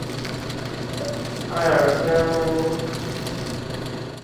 埃尔克霍恩是位于美国加利福尼亚州蒙特雷县的一个人口普查指定地区。